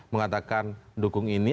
mengatakan dukung ini